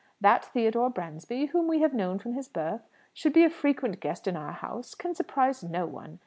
That Theodore Bransby, whom we have known from his birth, should be a frequent guest in our house, can surprise no one.